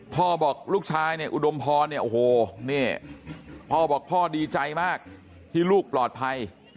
พ่อบอกลูกชายอุดมพรพ่อบอกพ่อดีใจมากที่ลูกปลอดภัย